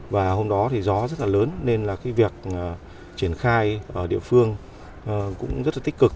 và hôm đó gió rất lớn nên việc triển khai ở địa phương cũng rất tích cực